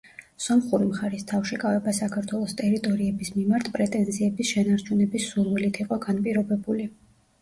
სომხური მხარის თავშეკავება საქართველოს ტერიტორიების მიმართ პრეტენზიების შენარჩუნების სურვილით იყო განპირობებული.